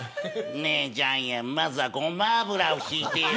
ねえ、ジャイアンまずはごま油をひいてよ。